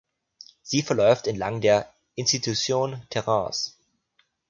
Sie verläuft entlang der "Institution Terrace".